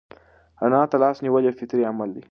رڼا ته لاس نیول یو فطري عمل دی.